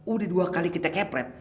udah dua kali kita kepret